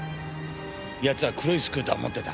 奴は黒いスクーターを持ってた。